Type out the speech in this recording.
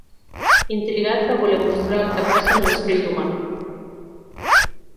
Intrigat, va voler mostrar el que passa en l'esperit humà.